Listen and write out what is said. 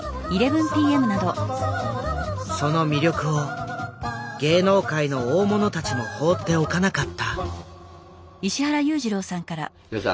その魅力を芸能界の大物たちも放っておかなかった。